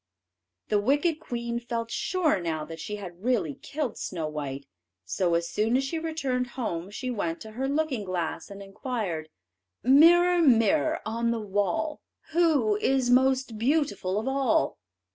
The wicked queen felt sure now that she had really killed Snow white; so as soon as she returned home she went to her looking glass, and inquired: "Mirror, mirror on the wall, Who is most beautiful of all?"